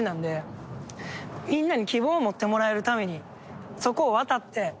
みんなに希望を持ってもらえるためにそこを渡って。